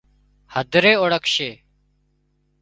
هڌري اوۯکشي